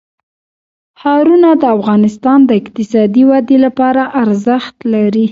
ښارونه د افغانستان د اقتصادي ودې لپاره ارزښت لري.